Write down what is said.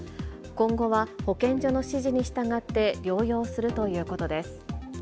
今後は保健所の指示に従って療養するということです。